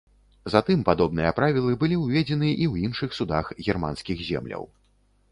Затым падобныя правілы былі ўведзены і ў іншых судах германскіх земляў.